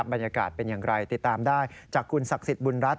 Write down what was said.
บรรยากาศเป็นอย่างไรติดตามได้จากคุณศักดิ์สิทธิบุญรัฐ